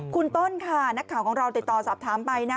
คุณต้นค่ะนักข่าวของเราติดต่อสอบถามไปนะ